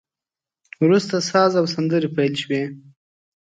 وروسته ساز او سندري پیل شوې.